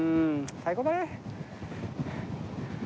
最高だね。